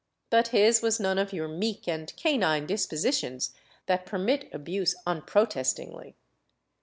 But his was none of your meek and canine dispositions that permit abuse unprotest ingly.